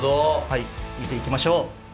はい見ていきましょう。